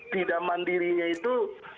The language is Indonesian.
tidak mandirinya itu